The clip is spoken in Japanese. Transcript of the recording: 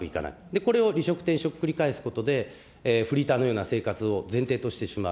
これを離職、転職繰り返すことで、フリーターのような生活を前提としてしまう。